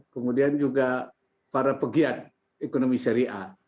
kemudian juga para pegiat ekonomi syariah